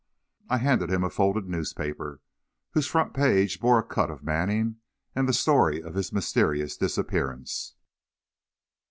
I handed him a folded newspaper, whose front page bore a cut of Manning, and the story of his mysterious disappearance.